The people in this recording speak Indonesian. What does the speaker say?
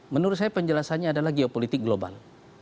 menurut saya penjelasannya adalah geopolitik global